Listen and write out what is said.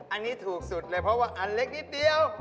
อันนี้ถูกสุดเลยเพราะว่าอันเล็กนิดเดียว